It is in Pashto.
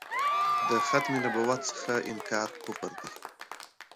د ختم نبوت څخه انکار کفر دی.